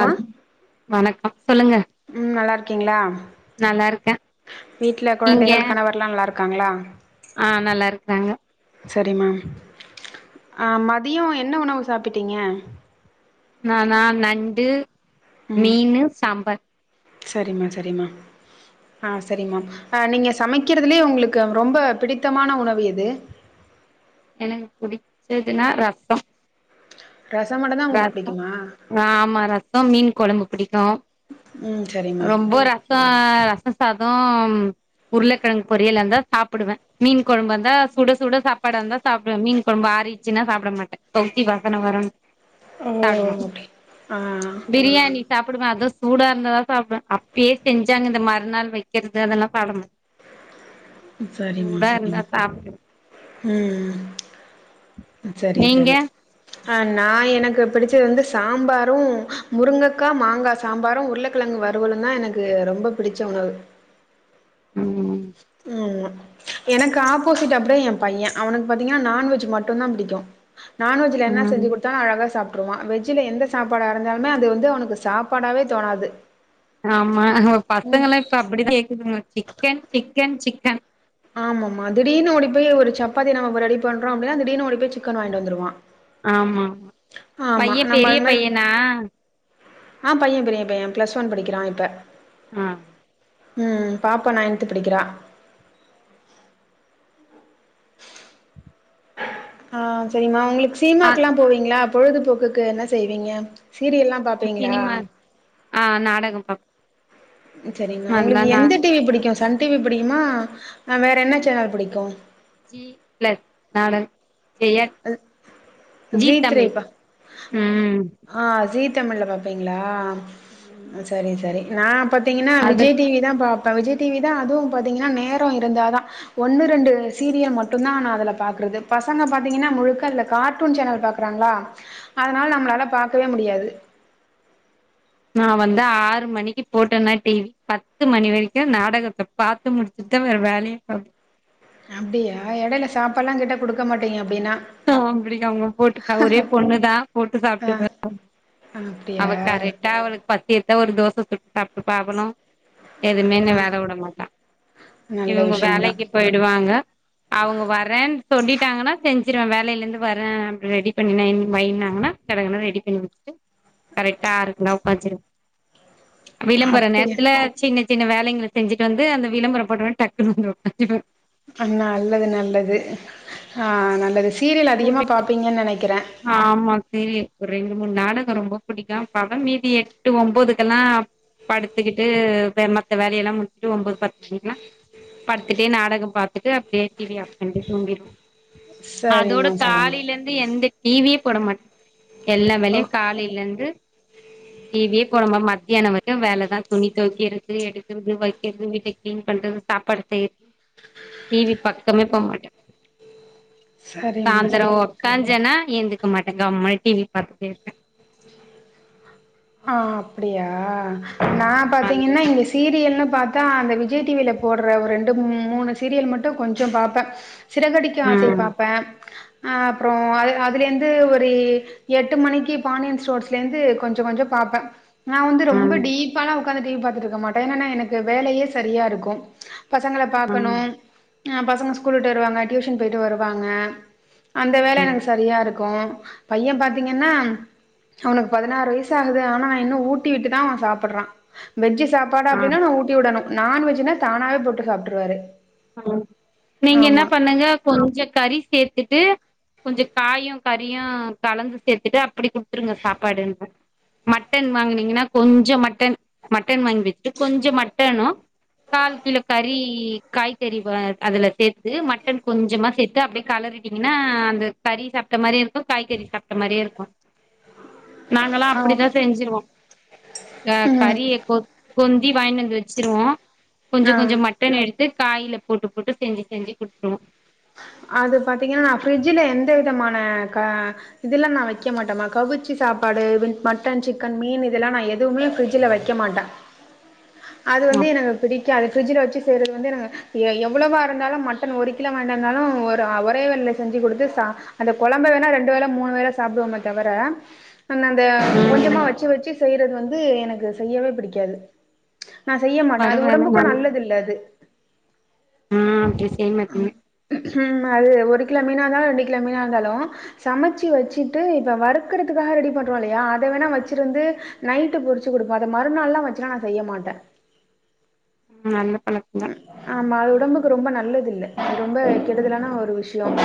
அ வணக்கம் சொல்லுங்க ம் நல்லா இருக்கீங்ளா நல்லா இருக்கே வீட்ல கொழந்தைகள் கணவர்ல்லா நல்லா இருக்காங்களா அ நல்லா இருக்றாங்க சரிம்மா அ மதியொ என்ன உணவு சாப்பிட்டீங்க நானா நண்டு ம் மீனு சாம்பார் சரிம்மா சரிம்மா ஆ சரிம்மா அ நீங்க சமைக்கிறதுலே ஒங்ளுக்கு ரொம்ப பிடித்தமான உணவு எது எனக்கு புடிச்சதுன்னா ரசொ ரசொமட்டுந் தா உங்களுக் புடிக்குமா ஆ ஆமா ரசம் மீன் குழம்பு புடிக்கு ம் சரிம்மா ரொம்ப ரச சோ ராசசாதோ உருளக்கிழங்கு பொரியலா இருந்தா சாப்டுவே மீன் குழம்பாயிருந்தா சுட சுட சாப்பாடயிருந்தா சாப்டுவே மீன் குழம்பு ஆறிடுச்சுனா சாப்ட மாட்ட கவுச்சி வாசன வரு ஓ சாப்பிட மாட்டே அப்டி ஆ பிரியாணி சாப்டுவே அதுவு சூடா இருந்ததா சாப்படுவ அப்பயே செஞ்சு இந்த மறுநாள் வக்கறது அதெல்லா சாப்ட மாட்ட செரிம்மா இருந்தா செரிம்மா சாப்டு ம் ம் செரி நீங்க செரி அ நா எனக் புடிச்சது வந்து சாம்பாரு முருங்கக்கா மாங்கா சாம்பாரு உருள க்கிழங்கு வறுவலு தா எனக் ரொம்ப புடிச்ச உணவு ம் ம் ஆமா எனக்கு ஆப்போசிட் அப்டியே ஏ பைய அவனுக்கு பாத்தீங்னா நான்வெஜ் மட்டுதா புடிக்கு நான்வெஜ்ல என்ன செஞ்சி ம் கொடுத்தாலு அழக சாப் ட்றுவா வெஜ்ஜல எந்த சாப்பாட இருந்தாலுமே அது வந்து அவனுக்கு சாப்பாடாவே தோணாது ஆமா பசங்க எல்லா இப்ப அப்டி கேக்குதுங்க சிக்கன் சிக்கன் சிக்கன் ஆமாம்மா திடீர் ஓடிய ஒரு சப்பத்தி நம்ம ரெடி பண்றோ அப்டினா திடீர்னு ஓடி போய் சிக்கன் வாங்கிட்டு வந்துடுவா ஆமா‌ ஆமா பைய நம்ம பெரிய அது மாரி பையனா ஆ பைய பெரிய பைய ப்ளஸ் ஒன் படிக்கறா இப்ப ஆ ம் பாப்பா நைன்து படிக்கறா ஆ செரிம்மா உங்களுக்கு ஆ சீனிமாக்கு எல்லா போவீங்ளா பொழுதுபோக்குக்கு என்ன செய்வீங்க சீரியல் எல்லா சினிமா ஆ நடக பாப் செரிங்களா நல்லா உங்களுக்கு நா எந்த டிவி புடிக்கு சன் டி வி புடிக்குமா வேற என்ன சேனல் புடிக்கு ஜி பெளக் நானன் ஜெய ஜி ஜீ தமிழ் த்ரீப்பா ம் ஆ ஜி தமிழ்ல பாப்பீங்ளா சேரி சேரி நா பாத்தீங்னா அது விஜய் டிவி தா பாப்பே விஜய் டிவி தா அதுவு பாத்தீங்னா நேரோ இருந்தாத ஒன்னு ரெண்டு சீரியல் மட்டுதா நா அதுல பாக்கறது பசங்க பாத் தீங்னா முழுக்க அதுல கார்ட்டூன் சேனல் பாக்கறாங்ளா அதனால நம்மளால பாக்கவே முடியாது நா வந்து ஆறு மணிக்கு போட்டன டிவி பத்து மணி வரைக்கு நாடகத்த பாத்து முடிச்சுட்டு வேற வேலையே பாப் அப்டியா இடையில சாப்பாடெல்லா கேட்டா கொடுக்க மாட்டீங்க அப்டினா அ அப்டி ஆமா போட்டு ஒரே பொண்ணு தா போட்டு ஆ சாப்ட்டுகோ அப்டியா அவ கரெக்டா அவளுக்கு பசிச்சா ஒரு தோசை சுட்டு சாப்ட்டுப்பா அவளு எதுவுமே ஆ என்ன வேலை விட மாட்டா நல்ல இவங்க விஷயந்தா வேலைக்கு போயி டுவாங்க அவங்க வரனு சொல்லிட்டாங்கனா செஞ் சுடுவ வேலையில இருந்து வர அப்டி ரெடி பண்ணிவைனாங்கனா கட கடனு ரெடி பண்ணி வச்சிட்டு கரெக்டா இருக்குனா உக்காச்சுடுவ விளம்பற அப்டியா நேரத்துல சின்ன சின்ன வேலைகள செஞ்சிட்டு வந்து அந்த விளம்பர போட்டப்ப டக்குன்ன வந்து உககாந்துடுவ நல்லது நல்லது ஆ நல்லது சீரியல் போட்டு அதிகமா பாப்பீங்கனு நெனைக்கற ஆமா சீரியல் ஒரு ரெண்டு மூணு நாடகம் ரொம்ப புடிக்கு பகல் மீதி எட்டு ஒன்பதுக்கெல்லா படுத்துக்கிட்டு மத்த வேலையெல்லா முடிச்சுட்டு ஒன்பது பத்து மணிக் எல்லா படுத்துட்டே நாடகம் பாத்துட்டு அப்டியே டிவி ஆஃப் பண்ணிட்டு தூங்கிடுவ அதோட சரிம்மா சரிம்மா தாலிலந்து எந்த டிவியே போட மாட்டே எல்லா ஓ வேலையு காலையில இருந்து டிவியே போடாம மத்தியானம் வரைக்கு வேலை தா துணி தோவக்கறது எடுக்கறது வக்கிறது வீட்ட கிளீன் பண்றது சாப்பாடு செய் டி வி பக்கமே போ மாட்ட சரிம்மா சாயந்திர சரி உக்காஞ்சன்னா எந்திரிக்க மாட்ட கம்முனு டி வி பாத்துட்டே இருப்ப ஆ அப்டியா நா பாத்தீங்கன்னா அதுதா இங்க ஸ் சீரியல்ன்னு பாத்தா விஜய் டி வி யில போடுற ஒரு ரெண்டு மூணு சீரியல் கொஞ்ச பாப்ப சிறகடிக்க ஆசை ம் பாப்பே ஆ அப்புறோ அது அதுலேருந்து ஒரு எட்டு மணிக்கு பாண்டியன் ஸ்டோர்ஸ்லேருந்து கொஞ்ச கொஞ்ச பாப்ப நா வந்து ரொம்ப ம் டீப் ப்பாலா உக்காந்து டிவி பாத்துட்டு இருக்க மாட்டே என்னன்னா எனக்கு வேலையே சரியா இருக்கும் பசங்கள பாக்கணு ம் ஆ பசங்க ஸ்கூல் விட்டு வருவாங்க டியூஷன் போயிட்டு வருவாங்க அந்த வேல ம் எனக்கு சரியா இருக்கும் பைய பாத்தீங்கன்னா அவனுக்கு பதினாறு வய சாகுது ஆனா நா இன்னு ஊட்டி விட்டுதா அவ சாப்புட்றா வெஜ்ஜு சாப்பாடு ஆ அப்டின்னா நா ஊட்டி விடணு நான்வெஜ்னா தானாவே போட்டு சாப்ட்டுருவாரு நீங்க என்ன பண்ணுங்க கொஞ்ச கறி சேர்த்துட்டு கொஞ்ச காயும் கறியும் கலந்து சேத்துட்டு அப்டி குடுத்து சுங்க சாப்பாடுன்ன மட்டன் வாங்குனீங்கன்னா கொஞ்ச மட்டன் மட்டன் வாங்கி வச்சுட்டு கொஞ்ச மட்டனு கால் கிலோ கறி காய்கறி வ அதுல சேத்து மட்டன் கொஞ்சமா சேத்து அப்டியே களறிட்டீங்கன்னா அந்த கறி சாப்ட்ட மாரியு இருக்கு காய்கறி சாப்ட்ட மாரியு இருக்கு நாங்கல்லா ஆ அப்டிதா செஞ்சிருவோ அந்த ம் கறிய கோத் கொந்தி வாங்கின்னு வந்து வச்சிருவோ கொஞ்ச ஆ கொஞ்ச மட்டன் எடுத் து காய்ல போட்டு போட்டு செஞ்சு செஞ்சு குடுத்துருவோ அது பாத்தீங்கன்னா ஃபிரிட்ஜுல எந்த விதமான க இதெல்லா நா வக்க மாட்டம்மா கவிச்சி சாப்பாடு வின் மட்டன் சிக்கன் மீன் இதெல்லா நா எதுவுமே ஃப்ரிட்ஜுல வக் க மாட்ட அது ஆ வந்து எனக்கு பிடிக்காது ஃபிரிட்ஜுல வச்சு செய்றது வந்து எனக் எ எவ்ளோவா இருந்தாலு மட்டன் ஒரு கிலோ வாங்கிட்டு வந்தாலு ஒரு ஒரே வேலைல செஞ்சுக் குடுத்து சா அந்த கொழம்ப வேணா ரெண்டு வேள மூனு வேல சாப்டுவோமே தவர ந அந்த கொஞ்சமா வச்சு வச்சு செய்றது வந்து எனக்கு செய்யவே பிடிக்காது நா செய்ய மாட்ட அது பரவால்ல உடம்புக்கு நல்லது இல்ல அது ம் அப்டி செய்ய மாட்டீங்க அது ஒரு கிலோ மீனா இருந்தாலு ரெண்டு கிலோ மீனா இருந்தாலு சமச்சு வச்சுட்டு இப்ப வறுக்கறதுக்காக ரெடி பண்றோ இல்லையா அத வேனா வச்சுருந்து நைட்டு பொறிச்சு குடுப்ப அத மறுநாள்லா வச்சுலா நா செய்ய மாட்ட நல்ல பழக் ஆமா அது உடம்புக்கு ரொம்ப நல்லதுல்ல ரொம்ப கெடுதலான ஒரு விஷ்யம்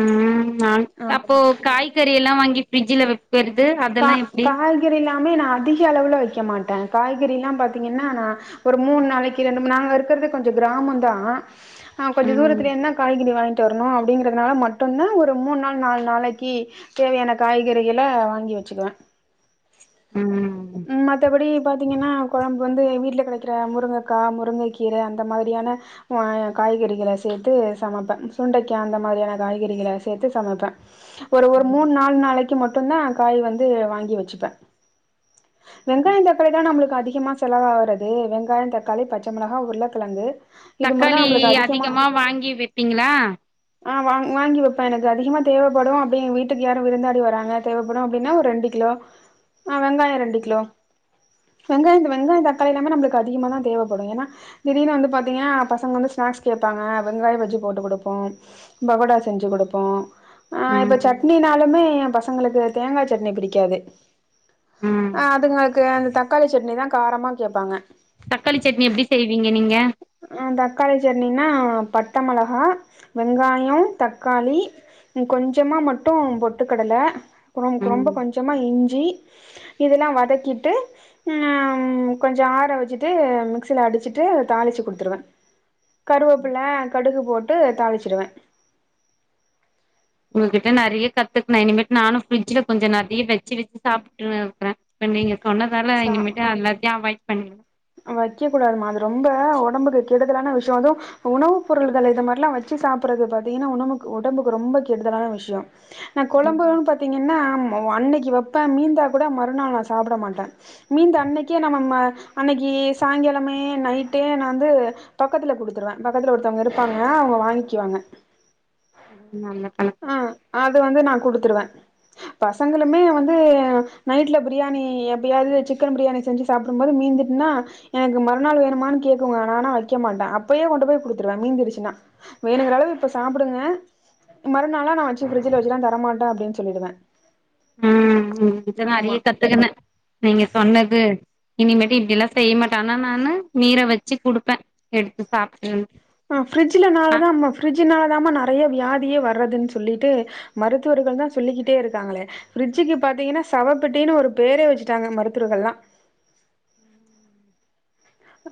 ம் அப்போ ஆமாமா காய்கறி எல்லா வாங்கி ஃப்ரிட்ஜ்ல வக்கறது கா காய்கறில்லாமே நா அதிக அளவுல வக்க மாட்ட காய்கறி எல்லா பாத்தீங்கன்னா நா ஒரு மூணு நாளைக்கு ரெண்டு மூணு நாங்க இருக்கறது கொஞ்ச கிராமந்தா ஆ கொஞ்ச ம் தூரத்திலேருந்துதா காய்கறி வாங்கிட்டு வரணு அப்டிங்கிறதுனால மட்டு்ந்தா ஒரு மூணு நாள் நால் நாளைக்கி தேவையான காய்கறிகள வாங்கி வச் சுக்குவ ம் மத்தபடி பா்த்தீங்கன்னா கொழம் கு வந்து வீட்ல கெடைக்றகி முருங்கக்கா முருங்கக்கீர அந்த மாதிரியான ஆ காய்கறிகள சேத்து சமப்ப சுண்டைக்கா அந்த மாரியான காய்கறிகள சேத்து சமப்ப ஒரு ஒரு மூண் நால் நாளைக்கு மட்டுந்தா காய் வந்து வாங்கி வச்சுப்ப வெங்காய தக்காளி தா நம்ளுக்கு அதிகமா செலவாரது வெங்காய தக்காளி பச்ச மொளகா உருளக்கழங்கு தக்காளி அதிகமா வாங்கி வேப்பீங்ளா ஆ வாங் வாங்கி வைப்ப எனக்கு அதிகமா தேவப்படு அப்டிங் வீட்டுக்கு யாரு விருந்தாடி வராங்க தேவைப்படு அப்டின்னா ரெண்டு கிலோ ஆ வெங்காய ரெண்டு கிலோ வெங்காயந்த வெங்காய தக்காளி எல்லாமே நம்மளுக்கு அதிகமா தா தேவைப்படு ஏனா திடீர்னு வந்து பாத்தீங்கனா பசங்க வந்து ஸ்நாக்ஸ் கேபாங்க வெங்காய பஜ்ஜி போட்டு குடுப்போ பகோடா செஞ்சு குடுப்போ அ இப்ப ம் சட்னினாலுமே ஏன் பசங்களுக்கு தேங்கா சட்னி பிடிக்காது ம் அ அதுங்களுக்கு அந்த தக்காளி சட்னிதா காரமா கேப்பாங்க தக்காளி சட்னி எப்டி செய்வீங்க நீங்க ஆ தக்காளி சட்னின்னா பட்ட மெளகா வெங்காயோ தக்காளி கொஞ்சமா மட்டு பொட்டுக்கடல ரொம் ரொம்ப ம் கொஞ்சமா இஞ்சி இதெல்லா வதக்கிட்டு ம் கொஞ்ச ஆற வச்சுட்டு மிக்சில அடிச்சிட்டு தாளிச்சு கொடுத்துருவ கருவேப்புள்ள கடுகு போட்டு தாளிச்டுவ உங்ககிட்ட நறைய கத்துக்கணு இனிமேட்டு நானு ஃப்ரிட்ஜல கொஞ்ச நறைய வச்சு வச்சு சாப்ட்ருவ க்குற இப்ப நீங்க சொன்னதால இனிமேட்டு அல்லாத்தையு அவாய்ட் பண்ணி வக்கக் கூடாதுமா அது ரொம்ப ஒடம்புக்கு கெடுதலான விஷ்யோ அது உணவுப் பொருள்கள் இத மாரில்லா வச்சு சாப்புட்றது பாத்தீன்னா உணவுக்கு உடம்புக்கு ரொம்ப கெடுதலான விஷ்யோ நா கொழம்புன் பாத்தீங்கன்னா மொ அன்னக்கி வப்ப மீனந்தா கூட மறுநாள் நா சாப்ட மாட்ட மீந்த அன்னக்கே நம்ம ம அன்னக்கி சாயங்காலமே நைட்டே நா வந்து பக்கத்துல குடுத்துருவே பக்கத்துலே ஒருத்தவங்க இருப்பாங்க அவங்க வாங் கிவாங்க நல்ல ஆ பழக்கம் அது வந்து நா குடுத்துருவ பசங்களுமே வந்து நைட்ல பிரியாணி எப்பயாது சிக்கன் பிரியாணி செஞ்சி சாப்புடும்போது மீந்துட்னா எனக்கு மறுநாள் வேணமான் கேக்குங்க நானா வக்க மாட்ட அப்பயே கொண்டு போய் குடுத்துருவ மீந்திடுச்சுனா வேணுங்குற அளவு இப்ப சாப்டுங்க மறுநாளா நாவச்சி ஃப்ரிஜில வச்சுல்லா தரமாட்ட அப்டின் சொல்லிடுவ ம் ம் கிட்ட ப நெறைய கத்துகுன நீங்க சொன்னது இனிமேட்டு இப்டில்லா செய்ய மாட்ட ஆனா நானு மீர வச்சி குடுப்ப எடுத்து சாப்ட்ரு ஆ ஃப்ரிட்ஜலனால நாலாதாமா ஃப்ரிட்ஜனாலதாமா நறையா வியாதியே வர்றதுன் சொல்லிட்டு மருத்துவர்கள் தா சொல்லிக்கிட்டே இருக்காங்களே பிரரிட்ஜுக்கு பாத்தீங்கன்னா சவ பெட்டின்னு ஒரு பேரே வச்சிட்டாங்க மருத்துவர்கள்லா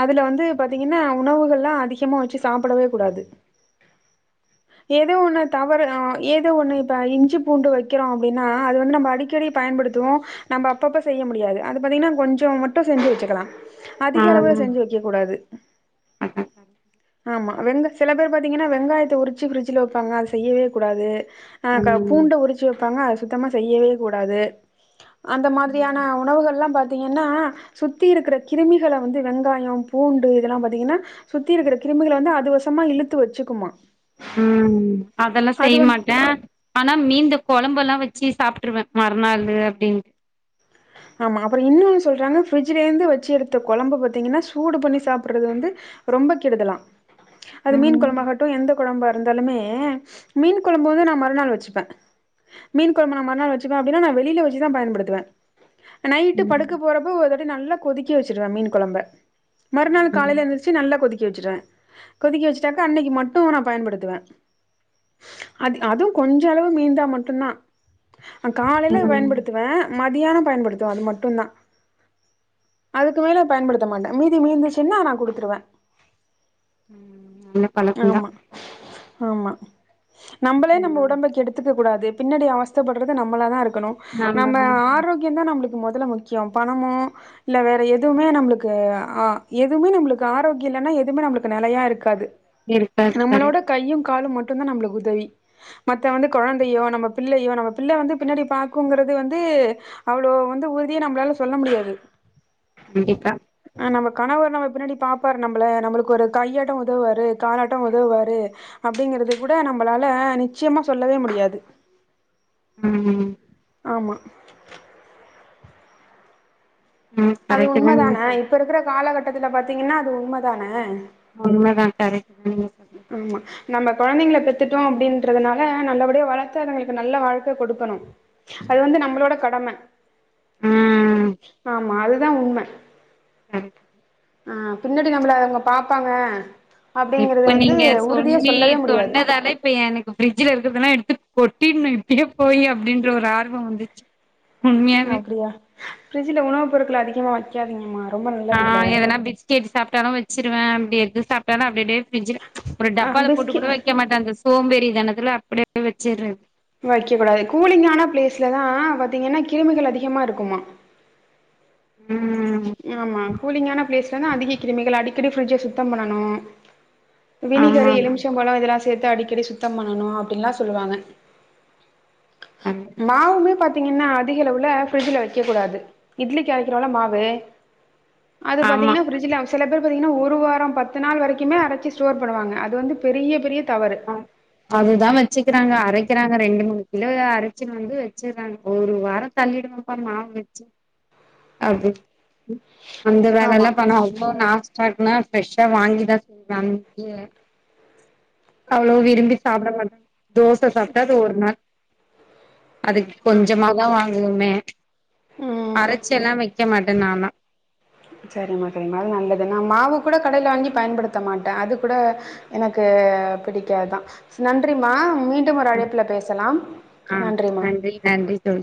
அதுல வந்து பாத்தீங்கன்னா உணவுகள்ல்லா அதிகமா வச்சி சாப்டவே கூடாது ஏதோ ஒண்ணு தவறு அ ஏதோ ஒண்ணு இப்ப இஞ்சி பூண்டு வக்கிறோ அப்டின்னா அது வந்து நம்ப அடிக்கடி பயன்படுத்துவோ நம்ப அப்பப்ப செய்ய முடியாது அது பாத்தீங்ன்னா கொஞ்சோ மட்டு செஞ்சு வச்சுக்கலா களவு ஆ செஞ்சி வக்க கூடாது அதா ஆமா வெங்க சில பேர் பாத்தீங்கன்னா வெங்காயத்த உரிச்சி பிரஃட்ஜில வைப்பாங்க அத செய்யவே கூடாது அ க ம் பூண்ட உரிச்சு வைப்பாங்க அத சுத்தமா செய்யவே கூடாது அந்த மாதிரியான உணவுகள்லா பாத்தீங்கன்னா சுத்தி இருக்கிற கிருமி கள வந்து வெங்காய பூண்டு இதெல்லா பாத்தீங்கன்னா சுத்தி இருக்குற கிருமிகள வந்து அதுவசமா இழுத்து வச்சுக்குமா ம் அதல்லா அது செய் வந்து மாட்ட ஆனா மீந்த கொழம்பல்லா வச்சு சாப்ட்டுருவ மறுநாள் அப்டின்னு ஆமா அப்புறம் இன்னுமே சொல்றாங்க ஃப்ரிட்ஜலருந்து வச்சி எடுத்த குழம்பு பார்த்தீங்கன்னா சூடு பண்ணி சாப்பிடறது வந்து ரொம்ப கெடுதலா அது மீன் ம் குழம்பகட்டும் எந்த குழம்பா இருந்தாலுமே மீன் குழம்பு வந்து நா மறுநாள் வச்சுப்ப மீன் குழம்ப நா மறுநாள் வச்சிக்கலா அப்படின்னா நா வெளில வச்சிதா பயன்படுதுவ நைட்டு படுக்க போறப்போ ஒரு வாட்டி நல்லா கொதிக்க வச்சிருவ மீன் குழம்ப மறுநாள் ம் காலைல எந்திரிச்ச நல்ல கொதிக்க வச்சிருவ கொதிக்க வச்சுாடாக்கா அன்னைக்கி மட்டும் நா பயன்படுத்துவ அது அதுவு கொஞ்ச அளவு மீந்தா மட்டுதா ஆ காலையிலே ம் பயன்படுத்துவ மதியானோ பயன்படுத்துவ அது மட்டும் தா அதுக்கு மேல பயன்டுத்த மாட்ட மீதி மீந்தந்துச்சின்னா நா குடுத்துருவே ம் பழக்கந்தா ஆமா ஆமா நம்மளே நம்ம ம் உடம்ப கேடுத்துக்க கூடாது பின்னாடி அவஸ்தப்படுறது நம்மள தா இருக்கணும் நாம நம்ம ஆரோக் கியம் நம்மளுக்கு முதல்ல முக்கியோ பணமோ இல்ல வேற எதுவுமே நம்மளுக்கு ஆ எதுவுமே நம்மளுக்கு ஆரோக்கியம் இல்லன்னா எதுவுமே நம்மளுக்கு நிலையா இருக்காது இருக்காரு நம்மளோட கரெக்ட் கையு காலு மட்டும் தா நம்மளக்கு உதவி மத்த வந்து குழந்தையோ நம்ம பிள்ளையோ நம்ம பிள்ள வந்து பின்னாடி பாக்குங்கிறது வந்து அவ்வளோ வந்து ஊறுதியே நம்மளால சொல்ல முடியாது கண்டிப்பா ஆ நம்ம கணவர் நம்ம பின்னாடி பாப்பாரு நம்மள நம்மளுக்கு ஒரு கையாட்டோ உதவுவாரு காலட்டோ உதவுவாரு அப்படிங்கறது கூட நம்மளால நிச்சயமா சொல்லவே முடியாது ம் ஆமா ம் அது கரெக்ட் தா நீங்க உண்மதானே சொல்றது இப்ப இருக்கிற காலகட்டத்துல பாத்தீங்கன்னா அது உண்மதானே உண்ம தா கரெக்ட் சொல்றது ஆமா நம்ம குழந்தைங்க பெத்துட்டோ அப்படின்றதுனால நல்லபடியா வளர்த்து அதுங்களுக்கு நல்ல வாழ்க்க கொடுக்கணும் அது வந்து நம்மளோட கடம ம் ஆமா அதுதா உண்மை சரி ஆ பின்னாடி நம்மள அவங்க பாப்பாங்க அப்டிங்கறது இப்ப வந்து நீங்க உறுதியா சொன்னி சொல்லவே முடியாது சொன்னதாலே இப்ப எனக்கு ஃப்ரிட்ஜ்ல இருக்கிறதுெல்லா எடுத்து கொட்டிடணும் இப்படியே போய் அப்படின்ர ஒரு ஆர்வம் வந்துச்சு உண்மையாவே அப்படியா பிரிட்ஜ்ல உணவு பொருட்க்கள் அதிகமா வைக்காதீங்கம்மா ரொம்ப நல்லது இல்ல கேட்டு சாப்பிட்டாலும் வச்சிருவ அப்படி எது சாப்பிட்டாலு அப்படியே ஃபிரிட்ஜ் ஒரு ஆ டப்பால போட்டு பிஸ்கி கூட வ வைக்க மாட்டே அந்த சோம்பேறி தினத்துல அப்படியே வச்சுடுற வைக்க கூடாது கூலிங்கான பிளேஸ்ல தா பாத்தீங்கன்னா கிருமிகள் அதிகமா இருக்குமா உம் ஆமா கூலிங்கான பிளேஸ்லதா அதிக கிருமிகள் அடிக்கடி ஃபிரிட்ஜ் சுத்தம் பண்ணனும் விணிகரு ஆமா எலிமிசம் பழம் இதெல்லா சேர்த்து அடிக்கடி சுத்தம் பண்ணணும் அப்படின்னுல்லா சொல்லுவாங்க ஆமா மாவுமே பாத்தீங்கன்னா அதிகளவுவல்ல ஃபிரிட்ஜ்ல வைக்க கூடாது இட்லி அறைகிறோல மாவு அது ஆமா பாத்தீங்கன்னா பிரட்ஜ்ல சில பேர் பாத்திங்கன்னா ஒரு வாரம் பத்து நாள் வரைக்குமே அரைச்சி ஸ்டோர் பண்ணுவாங்க அது வந்து பெரிய பெரிய தவறு அதுதா வச்சுக்கிறாங்க அரைக்கிறாங்க ரெண்டு மூணு கிலோ அரைச்சுனுு வந்து வச்சக்கறாங்க ஒரு வாரம் தள்ளிடுவப்பா மாவு வச்சு அப்படி அந்த வேல ஆமா எல்லா பண்ணா ரொம்ப நாஸ்டா இருக்குா ஃப்ரெஷ்ஷா வாங்கி தா சொன்ன அன்னைக்கு அவ்வளே விரும்பி சாப்பிட மாட் தோசை சாப்பிட்டா அது ஒரு நாள் அதுக்கு ம் கொஞ்சமாதா வாங்குவமே ம் அரை ச்சு எல்லா வைக்க மாட்டே நால்ல சரிம்மா சரிம்மா அது நல்லதுன்னா மாவு கூட கடைல வாங்கி பயன்படுத்த மாட்டே அது கூட எனக்கு பிடிக்காது தா நன்றிமா மீண் டும் ஒரு அழைப்புல பேசலா ஆ நன்றிமா நன்றி நன்றி தோழி